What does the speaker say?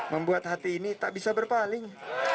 membuat hati ini tak bisa berpaling